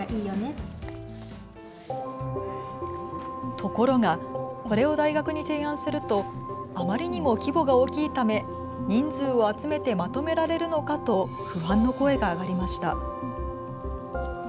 ところがこれを大学に提案するとあまりにも規模が大きいため人数を集めてまとめられるのかと不安の声が上がりました。